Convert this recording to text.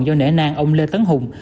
do nể nang ông lê tấn hùng